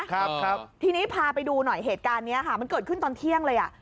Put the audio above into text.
ครับครับทีนี้พาไปดูหน่อยเหตุการณ์เนี้ยค่ะมันเกิดขึ้นตอนเที่ยงเลยอ่ะ